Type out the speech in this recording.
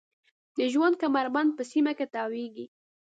د ژوند کمربند په سیمه کې تاویږي.